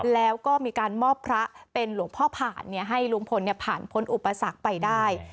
แล้วก็มีการมอบพระเป็นหลวงพ่อผ่านให้ลุงพลผ่านพ้นอุปสรรคไปได้